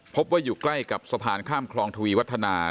พบว่าอยู่ใกล้กับสะพานข้ามคลองทวีวัฒนา